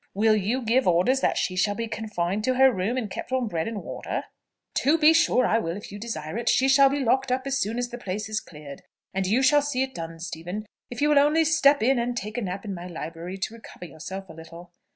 "Will you give orders that she shall be confined to her room and kept on bread and water?" "To be sure I will, if you desire it. She shall be locked up as soon as the place is cleared: and you shall see it done, Stephen, if you will only step in, and take a nap in my library to recover yourself a little."